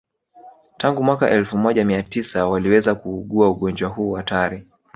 Tangu mwaka elfu moja Mia tisa waliweza kuugua ugonjwa huu hatari